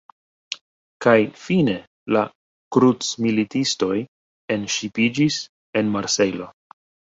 Kaj fine la “krucmilitistoj” enŝipiĝis en Marsejlo.